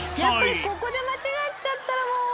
ここで間違っちゃったらもう。